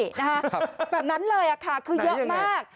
แบบนั้นเลยอะค่ะคือเยอะมาก